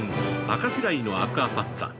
「明石鯛のアクアパッツァ」。